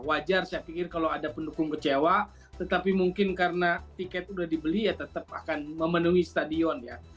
wajar saya pikir kalau ada pendukung kecewa tetapi mungkin karena tiket sudah dibeli ya tetap akan memenuhi stadion ya